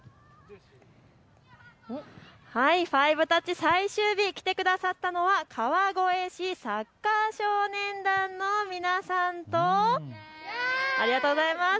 ５タッチ、最終日、来てくださったのは川越市サッカー少年団の皆さんと、ありがとうございます。